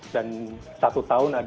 dan satu tahun ada kasus